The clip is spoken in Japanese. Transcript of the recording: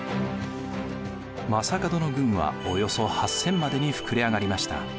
将門の軍はおよそ８，０００までに膨れ上がりました。